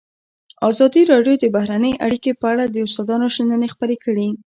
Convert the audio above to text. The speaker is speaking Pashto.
ازادي راډیو د بهرنۍ اړیکې په اړه د استادانو شننې خپرې کړي.